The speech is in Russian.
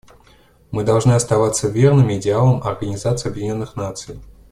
Мы должны оставаться верными идеалам Организации Объединенных Наций.